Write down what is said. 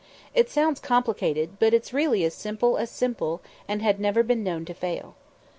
It sounds complicated, but it's really as simple as simple and had never been known to fail.